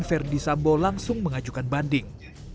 verdi sambo langsung mengajukan banding